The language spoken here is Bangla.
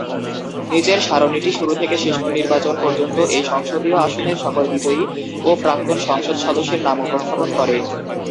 নীচের সারণীটি শুরু থেকে শেষ নির্বাচন পর্যন্ত এই সংসদীয় আসনের সকল বিজয়ী ও প্রাক্তন সংসদ সদস্যের নাম উপস্থাপন করে।